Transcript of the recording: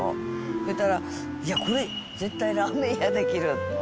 そしたら、いや、絶対これ、ラーメン屋できるって。